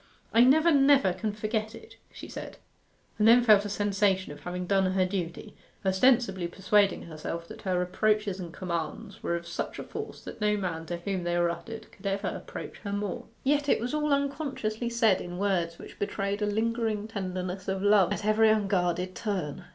'I never, never can forget it!' she said, and then felt a sensation of having done her duty, ostensibly persuading herself that her reproaches and commands were of such a force that no man to whom they were uttered could ever approach her more. Yet it was all unconsciously said in words which betrayed a lingering tenderness of love at every unguarded turn.